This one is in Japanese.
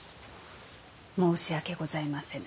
申し訳ございませぬ。